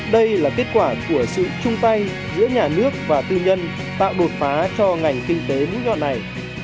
đây là kết quả của sự chung tay giữa nhà nước và tư nhân tạo đột phá cho ngành kinh tế mũi nhọn này